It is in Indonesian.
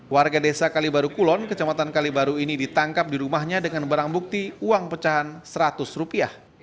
warga desa kalibaru kulon kecamatan kalibaru ini ditangkap di rumahnya dengan barang bukti uang pecahan seratus rupiah